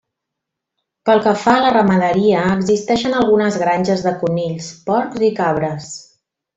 Pel que fa a la ramaderia, existeixen algunes granges de conills, porcs i cabres.